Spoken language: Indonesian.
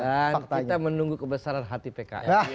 dan kita menunggu kebesaran hati pks